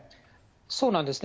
そうなんですね。